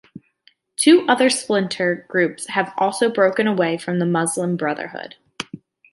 Two other splinter groups have also broken away from the Muslim Brotherhood.